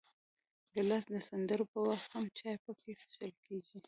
ګیلاس د سندرو پر وخت هم چای پکې څښل کېږي.